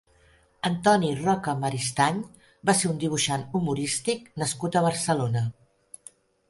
Antoni Roca Maristany va ser un dibuixant humorístic nascut a Barcelona.